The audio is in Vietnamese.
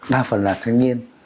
đa phần là thanh niên